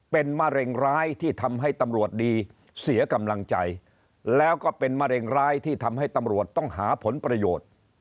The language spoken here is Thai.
เป็นมะเร็งร้ายที่ทำให้ตำรวจดีเสียกำลังใจแล้วก็เป็นมะเร็งร้ายที่ทำให้ตำรวจต้องหาผลประโยชน์